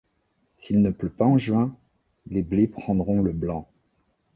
S’il ne pleut pas en juin, les blés prendront le blanc.